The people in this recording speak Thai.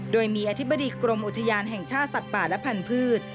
โดยมีอธิบดีกรมอุทยานแห่งชาติสัตว์ป่าและพันธุ์